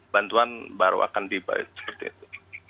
bantuan baru akan dibayar seperti itu